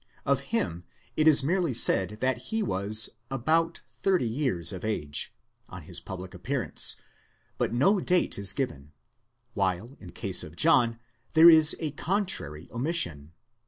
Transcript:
Of him it is merely said that he was about thirty years of age, ὡσεὶ ἐτῶν τριάκοντα, on his public appearance (ἀρχόμενος), but no date is given; while, in the case of John, there is a contrary omission.